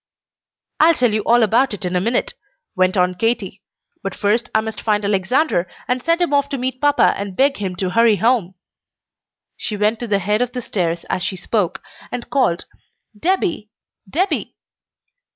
"I'll tell you all about it in a minute," went on Katy. "But first I must find Alexander, and send him off to meet papa and beg him to hurry home." She went to the head of the stairs as she spoke, and called "Debby! Debby!"